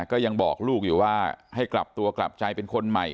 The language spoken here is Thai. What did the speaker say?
ก็ยังบอกลูกอยู่ว่าให้กลับตัวกลับใจเป็นคนใหม่